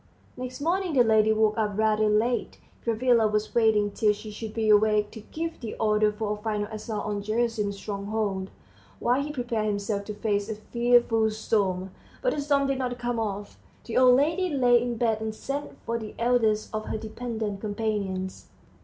Next morning the lady woke up rather late. Gavrila was waiting till she should be awake, to give the order for a final assault on Gerasim's stronghold, while he prepared himself to face a fearful storm. But the storm did not come off. The old lady lay in bed and sent for the eldest of her dependent companions.